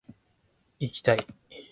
いぎだい！！！！